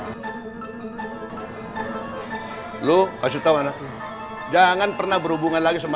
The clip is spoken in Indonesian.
berhubungan dengan anak yang kamu suka jangan pernah berhubungan dengan anak yang kamu suka